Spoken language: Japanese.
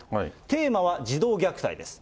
テーマは児童虐待です。